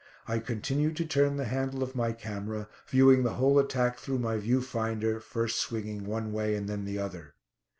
I continued to turn the handle of my camera, viewing the whole attack through my view finder, first swinging one way and then the other.